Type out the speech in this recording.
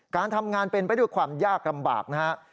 การทำงานเป็นไปด้วยความยากลำบากนะฮะ